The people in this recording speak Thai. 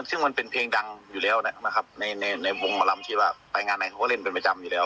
ซึ่งมันเป็นเพลงดังอยู่แล้วนะครับในวงหมอลำที่ว่าไปงานไหนเขาก็เล่นเป็นประจำอยู่แล้ว